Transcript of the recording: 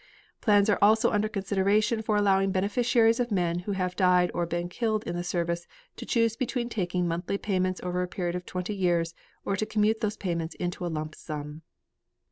Plans also are under consideration for allowing beneficiaries of men who have died or been killed in the service to choose between taking monthly payments over a period of twenty years or to commute these payments in a lump sum.